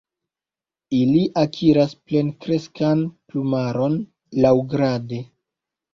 Ili akiras plenkreskan plumaron laŭgrade.